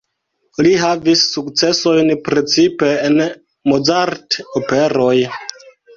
Li havis sukcesojn precipe en Mozart-operoj.